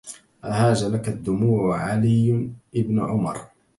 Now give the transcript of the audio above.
أهاج لك الدموع على ابن عمرو